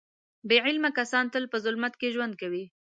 بې علمه کسان تل په ظلمت کې ژوند کوي.